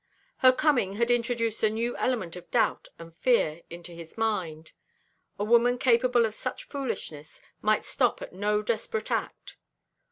Her coming had introduced a new element of doubt and fear into his mind. A woman capable of such foolishness might stop at no desperate act.